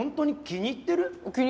気に入ってるって。